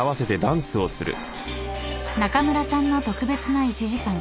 ［中村さんの特別な１時間］